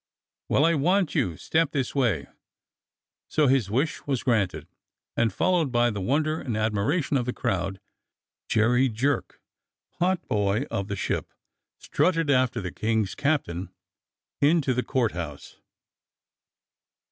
Well, I want you. Step this way !" So his wish was granted, and followed by the wonder and admiration of the crowd, Jerry Jerk, potboy of the Ship, strutted after the King's captain into the Court House.